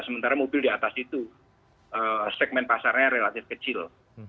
sementara mobil di atas itu segmen pasarnya relatif kecil